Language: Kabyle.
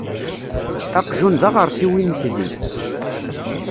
Aqjun d aɣersiw imekdi.